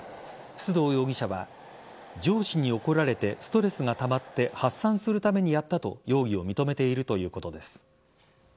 須藤容疑者は上司に怒られてストレスがたまって発散するためにやったと容疑を認めているということです。